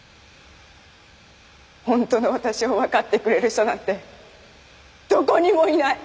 本当の私をわかってくれる人なんてどこにもいない！